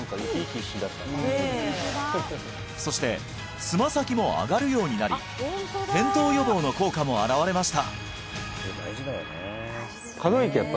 そしてつま先も上がるようになり転倒予防の効果も現れました